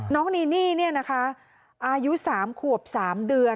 น้องนีนี่เนี่ยนะคะอายุ๓ขวบ๓เดือน